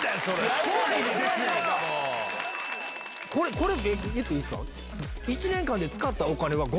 これ言っていいんすか？